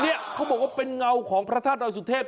เนี่ยเขาบอกว่าเป็นเงาของพระธาตุดอยสุเทพ